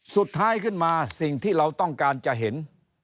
สุดท้ายขึ้นมาสิ่งที่เราต้องการจะเห็น